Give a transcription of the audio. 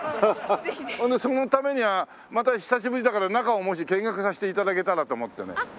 でそのためにはまた久しぶりだから中をもし見学させて頂けたらと思ってね。